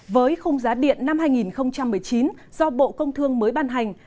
với khung giá điện năm hai nghìn một mươi chín do bộ công thương mới ban hành